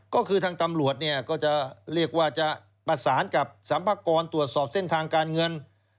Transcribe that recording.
ก็คือทางตำรวจเนี่ยก็จะเรียกว่าจะประสานกับสัมภากรตรวจสอบเส้นทางการเงิน